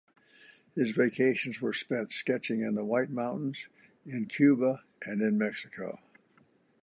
His vacations were spent sketching in the White Mountains, in Cuba and in Mexico.